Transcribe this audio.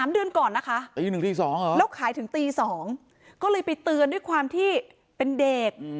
เดือนก่อนนะคะตี๑ตี๒เหรอแล้วขายถึงตี๒ก็เลยไปเตือนด้วยความที่เป็นเด็ก